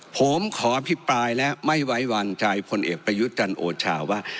ผมขออภิปรายและไม่ไว้วางใจพลเอกประยุทธ์จันทร์โอชาว่า